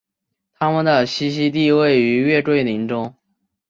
它们的栖息地位于月桂林中。